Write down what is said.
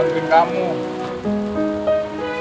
aduh aduh aduh